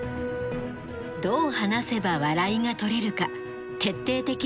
どう話せば笑いが取れるか徹底的に研究。